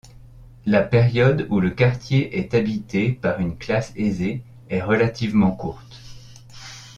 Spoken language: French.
La période où le quartier est habitée par une classe aisée est relativement courte.